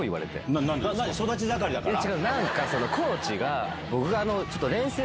何かコーチが。